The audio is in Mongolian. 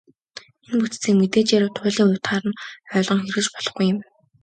Энэ бүтцийг мэдээжээр туйлын утгаар нь ойлгон хэрэглэж болохгүй юм.